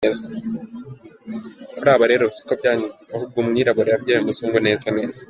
Kuri aba rero siko byagenze ahubwo umwirabura yabyaye umuzungu neza neza.